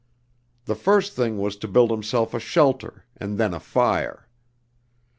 The first thing was to build himself a shelter, and then a fire.